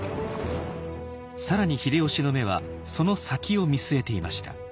更に秀吉の目はその先を見据えていました。